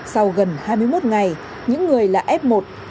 sau gần hai mươi một ngày những người là f một